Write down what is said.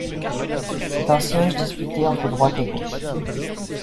C'est un siège disputé entre droite et gauche.